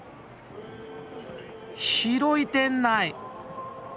広い店内！